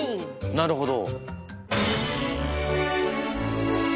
なるほど。